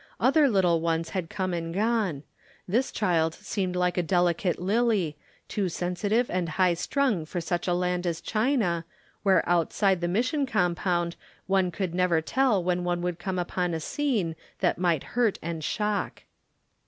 Other little ones had come and gone. This child seemed like a delicate lily, too sensitive and high strung for such a land as China, where outside the Mission Compound one could never tell when one would come upon a scene that might hurt and shock.